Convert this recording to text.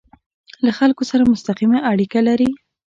له خلکو سره مستقیمه اړیکه لري.